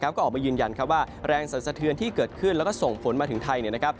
เขาก็ออกมายืนยันว่าแรงสะเทือนที่เกิดขึ้นและส่งผลมาถึงไทย